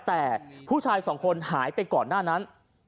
แต่ผู้ชายสองคนหายไปก่อนหน้านั้น